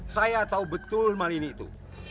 saya tahu betul malini itu